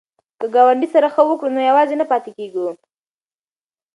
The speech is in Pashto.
که ګاونډي سره ښه وکړو نو یوازې نه پاتې کیږو.